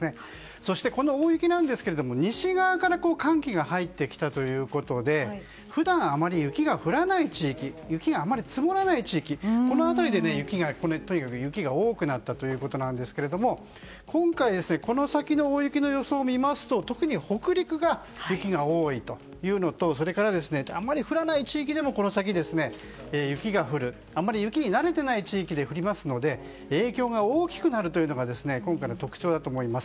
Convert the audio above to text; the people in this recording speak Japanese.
そして、この大雪なんですが西側から寒気が入ってきたということで普段はあまり雪が降らない地域あまり積もらない地域でこの辺りで雪がとにかく多くなったということですが今回この先の大雪の予想を見ますと特に北陸が雪が多いというのとそれからあまり降らない地域でもこの先あまり雪に慣れてない地域で雪が降りますので影響が大きくなるというのが今回の特徴だと思います。